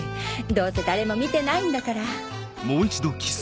どうせ誰も見てないんだから。